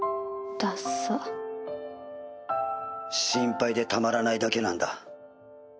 だっさ「心配でたまらないだけなんだ」